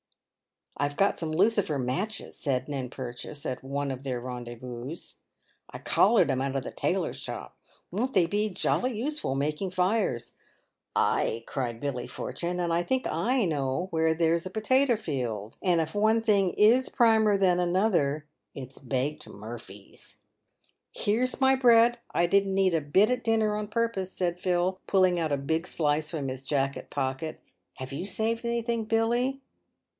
"I've got some lucifer matches," said Ned Purchase, at one of F QQ PAYED WITH GOLD. their rendezvous. " I collared 'em out of the tailors' shop. "Won't they be jolly useful making fires ?"" Ay," cried Billy Fortune ; "and I think I knows where there's a potato field, and if one thing is primer than another it's baked 'murphies.' "" Here's my bread ; I didn't eat a bit at dinner on purpose," said Phil, pulling out a big slice from his jacket pocket. " Have you saved anything, Billy